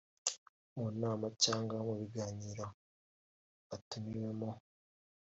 mu nama cyangwa mu biganiro batumiwemo